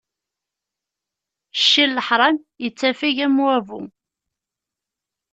Cci n leḥṛam, ittafeg am wabbu.